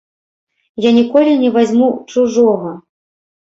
Я ніколі не вазьму чужога!